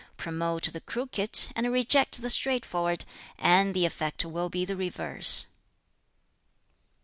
Promote the crooked and reject the straightforward, and the effect will be the reverse."